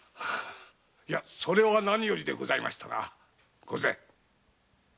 いやそれは何よりでございましたな御前。